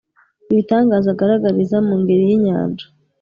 ibitangaza agaragariza mu ngeri y'inyanja